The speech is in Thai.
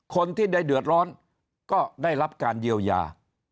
คนที่ได้เดือดร้อนก็ได้รับการเยียวยา